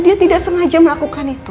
dia tidak sengaja melakukan itu